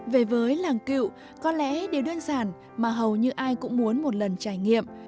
về với làng cựu có lẽ điều đơn giản mà hầu như ai cũng muốn một lần trải nghiệm